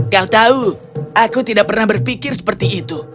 kau tahu aku tidak pernah berpikir seperti itu